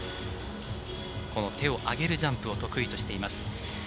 手を上げるジャンプを得意としています。